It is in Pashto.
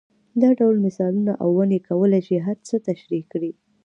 دا ډول مثالونه او ونې کولای شي هر څه تشرېح کړي.